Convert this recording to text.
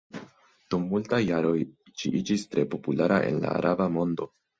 Dum multaj jaroj ĝi iĝis tre populara en la araba mondo.